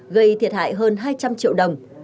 gây thiệt hại hơn hai trăm linh triệu đồng